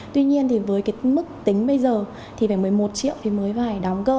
tuy nhiên thì với cái mức tính bây giờ thì phải một mươi một triệu thì mới phải đóng cơ